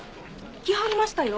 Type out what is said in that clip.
来はりましたよ